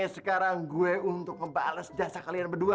sekarang gue untuk membalas jasa kalian berdua